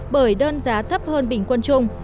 bởi đơn giá thấp hơn bình quân trung